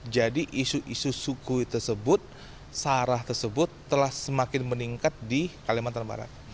jadi isu isu suku tersebut sara tersebut telah semakin meningkat di kalimantan barat